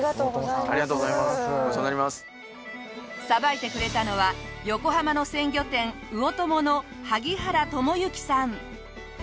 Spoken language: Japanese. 捌いてくれたのは横浜の鮮魚店魚友の萩原友幸さん。